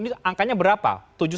ini angkanya berapa